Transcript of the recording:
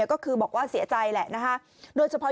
ก็คือบอกว่าเสียใจแหละ